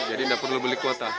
jadi tidak perlu beli kuota